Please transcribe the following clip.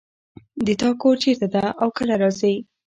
د تا کور چېرته ده او کله راځې